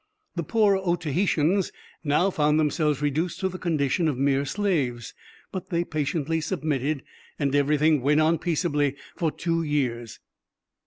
The poor Otaheitans now found themselves reduced to the condition of mere slaves; but they patiently submitted, and everything went on peaceably for two years.